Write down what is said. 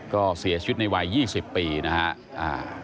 ก็เสียชุดในวัย๒๐ปีนะฮะ